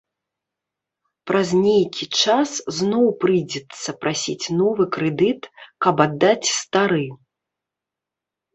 Праз нейкі час зноў прыйдзецца прасіць новы крэдыт, каб аддаць стары.